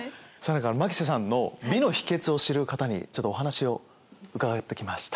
牧瀬さんの美の秘訣を知る方にお話を伺って来ました。